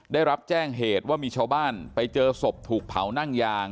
ได้รับแจ้งเหตุว่ามีชาวบ้านไปเจอศพถูกเผานั่งยาง